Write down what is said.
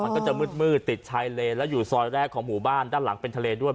มันก็จะมืดติดชายเลนและอยู่ซอยแรกของหมู่บ้านด้านหลังเป็นทะเลด้วย